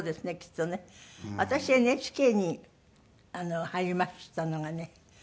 私ＮＨＫに入りましたのがね